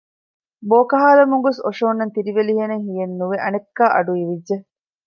ބޯކަހާލަމުން ގޮސް އޮށޯންނަން ތިރިވެލިހެނެއް ހިޔެއްނުވެ އަނެއްކާ އަޑު އިވިއްޖެ